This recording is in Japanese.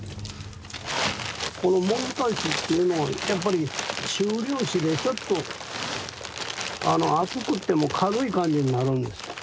このもぐさ土っていうのはやっぱり中粒子でちょっと厚くっても軽い感じになるんですよ。